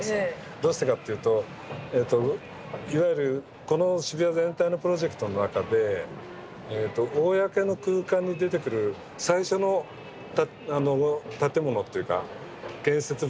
どうしてかっていうといわゆるこの渋谷全体のプロジェクトの中で公の空間に出てくる最初の建物っていうか建設物だったんですね。